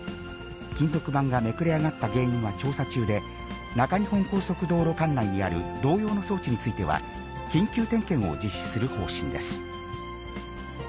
金属板がめくれ上がった原因は調査中で、中日本高速道路管内にある同様の装置については、緊急点検を実施する方針です。